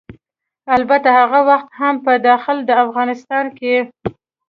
البته هغه وخت هم په داخل د افغانستان کې